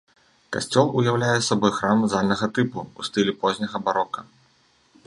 Касцёл уяўляе сабой храм зальнага тыпу ў стылі позняга барока.